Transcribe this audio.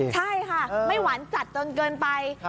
ใช่ค่ะไม่หวานจัดจนเกินไป